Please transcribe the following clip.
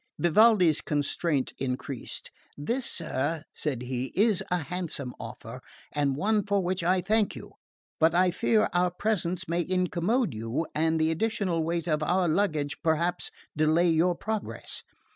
Vivaldi's constraint increased. "This, sir," said he, "is a handsome offer, and one for which I thank you; but I fear our presence may incommode you and the additional weight of our luggage perhaps delay your progress.